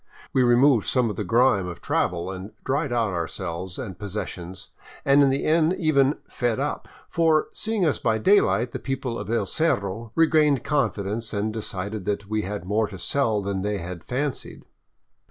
We removed some of the grime of travel and dried out ourselves and possessions, and in the end even " fed up." For, seeing us by daylight, the people of El Cerro regained confidence and decided that they had more to sell than they had fancied.